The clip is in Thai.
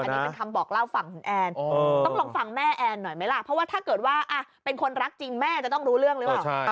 อันนี้เป็นคำบอกเล่าฝั่งคุณแอนต้องลองฟังแม่แอนหน่อยไหมล่ะเพราะว่าถ้าเกิดว่าเป็นคนรักจริงแม่จะต้องรู้เรื่องหรือเปล่า